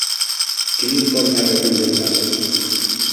Quin informe recull les dades?